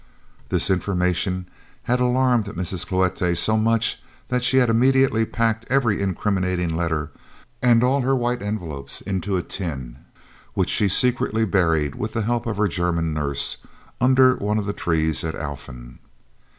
This information had alarmed Mrs. Cloete so much that she had immediately packed every incriminating letter and all her White Envelopes into a tin, which she secretly buried, with the help of her German nurse, under one of the trees at Alphen.